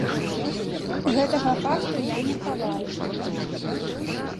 Гэтага факту я не хаваю.